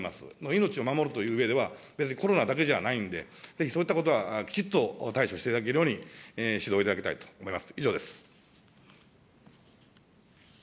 命を守るといううえでは、別にコロナだけじゃないんで、ぜひそういったことはきちっと対処していただけるように、指導いただきたいと思います。